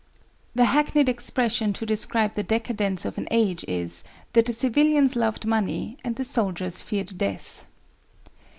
The hackneyed expression to describe the decadence of an age is "that the civilians loved money and the soldiers feared death."